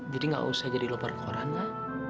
jadi nggak usah jadi loper koran ma